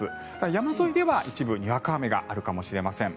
山沿いでは一部にわか雨があるかもしれません。